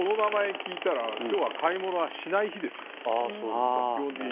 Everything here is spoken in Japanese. この名前を聞いたら今日は買い物はしない日ですよ。